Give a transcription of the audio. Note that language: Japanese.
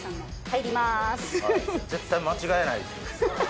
はい絶対間違えないです。